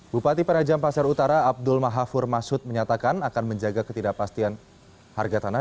bupati penajam pasir utara abdul mahafur masud menyatakan akan menjaga ketidakpastian harga tanah